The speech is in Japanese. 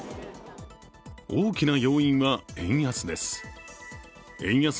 大きな要因は円安です。